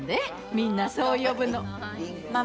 みんなそう呼ぶの。